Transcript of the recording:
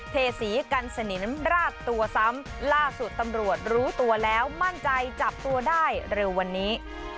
เทศีกันสนิมราดตัวซ้ำล่าสุดตำรวจรู้ตัวแล้วมั่นใจจับตัวได้เร็ววันนี้